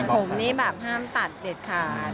ผมนี่แบบห้ามตัดเด็ดขาด